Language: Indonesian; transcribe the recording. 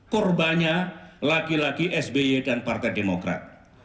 korbannya lagi lagi sby dan partai demokrat